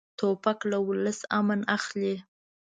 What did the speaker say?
توپک له ولس امن اخلي.